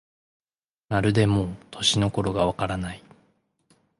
まるでもう、年の頃がわからない